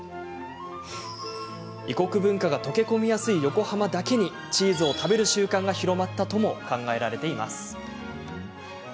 異国文化が溶け込みやすい横浜だけにチーズを食べる習慣が広まったとも考えられています。